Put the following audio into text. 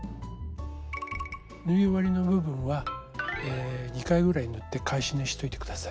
縫い終わりの部分は２回ぐらい縫って返し縫いしといて下さい。